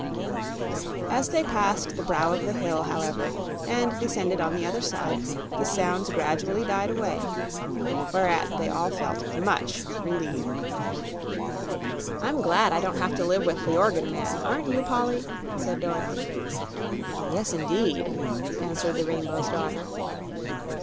As they passed the brow of the hill, however, and descended on the other side, the sounds gradually died away, whereat they all felt much relieved. "I'm glad I don't have to live with the organ man; aren't you, Polly?" said Dorothy. "Yes indeed," answered the Rainbow's Daughter.